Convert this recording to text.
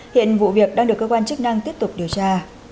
hiện vụ việc đang được cơ quan chức năng tiếp tục điều tra